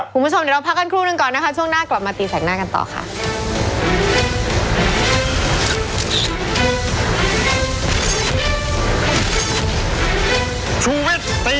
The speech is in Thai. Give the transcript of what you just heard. คุณผู้ชมเดี๋ยวเราพักกันครู่หนึ่งก่อนนะคะช่วงหน้ากลับมาตีแสกหน้ากันต่อค่ะ